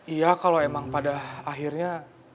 iya kalau emang pada akhirnya